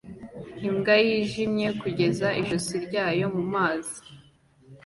Imbwa yijimye kugeza ijosi ryayo mumazi